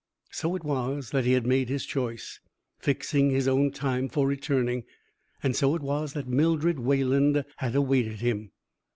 So it was that he had made his choice, fixing his own time for returning, and so it was that Mildred Wayland had awaited him.